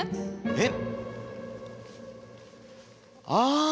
えっ！？